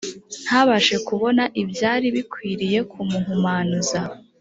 ntabashe kubona ibyari bikwiriye kumuhumanuza